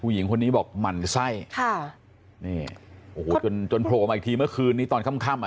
หญิงคนนี้บอกหมั่นไส้ค่ะนี่โอ้โหจนจนโผล่มาอีกทีเมื่อคืนนี้ตอนค่ำค่ำอ่ะ